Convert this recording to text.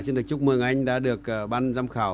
xin được chúc mừng anh đã được ban giám khảo